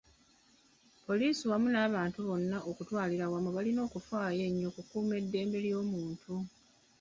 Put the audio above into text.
Poliisi wamu n’abantu bonna okutwalira awamu balina okufaayo ennyo ku kukuuma eddembe ly’obuntu.